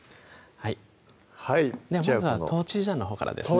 はいまずは豆醤のほうからですね